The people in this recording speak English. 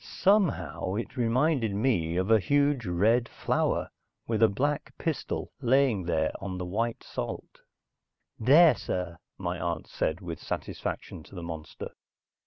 Somehow, it reminded me of a huge red flower with a black pistil laying there on the white salt. "There, sir," my aunt said with satisfaction to the monster.